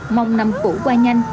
mong năm cũ qua nhanh